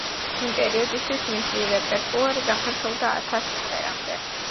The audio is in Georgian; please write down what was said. იმ პერიოდისთვის მისი რეპერტუარი გაფართოვდა ათას სიმღერამდე.